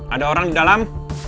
ada orang di dalam